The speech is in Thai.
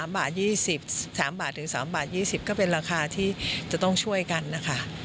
๓บาท๒๐ก็เป็นราคาที่จะต้องช่วยกันนะคะ